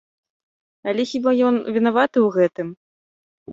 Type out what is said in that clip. Але хіба ён вінаваты ў гэтым?